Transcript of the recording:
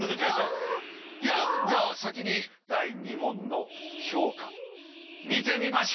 じゃあ先に第２問の評価見てみましょう。